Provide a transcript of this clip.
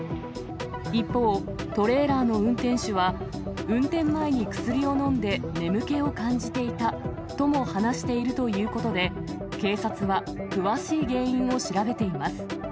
一方、トレーラーの運転手は、運転前に薬を飲んで、眠気を感じていたとも話しているということで、警察は詳しい原因を調べています。